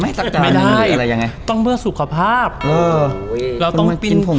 ไม่ให้ตักจานไม่ได้อะไรยังไงต้องเมื่อสุขภาพเออเราต้องกินผัก